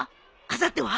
あさっては？